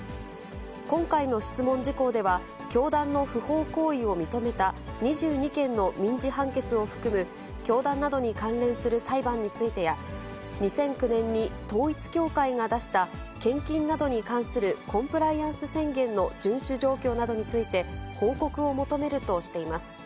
今回の質問事項では、教団の不法行為を認めた２２件の民事判決を含む教団などに関連する裁判についてや、２００９年に統一教会が出した、献金などに関するコンプライアンス宣言の順守状況などについて、報告を求めるとしています。